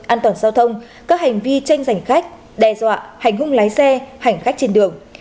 an toàn giao thông các hành vi tranh giành khách đe dọa hành hung lái xe hành khách trên đường